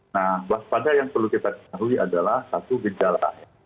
nah waspada yang perlu kita ketahui adalah satu gejala